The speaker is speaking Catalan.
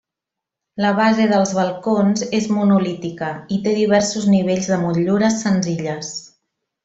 La base dels balcons és monolítica i té diversos nivells de motllures senzilles.